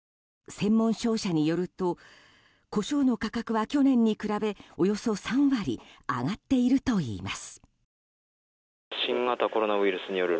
専門商社によるとコショウの価格は去年に比べおよそ３割上がっているといいます。